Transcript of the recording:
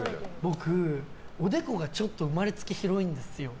僕、おでこがちょっと生まれつき広いんですよ。